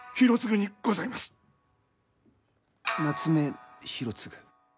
夏目広次。